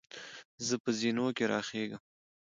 زۀ په زینو کې راخېږم.